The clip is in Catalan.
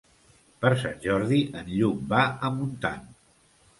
Per Sant Jordi en Lluc va a Montant.